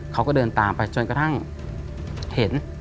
เขาก็เดินตามไปจนกระทั่งเห็น